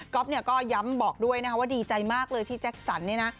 ก๊อฟก็ย้ำบอกด้วยว่าดีใจมากเลยที่แจ๊กสันนี่นะ